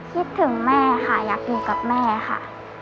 คิดถึงแม่ค่ะอยากอยู่กับแม่ค่ะ